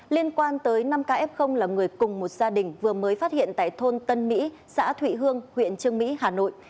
liên quan tới năm kf là người cùng một gia đình vừa mới phát hiện tại thôn tân mỹ xã thụy hương huyện trương mỹ hà nội